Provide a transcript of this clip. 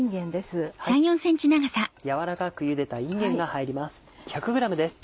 やわらかくゆでたいんげんが入ります。